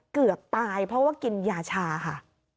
เกือบตายเพราะว่ากินยาชาค่ะ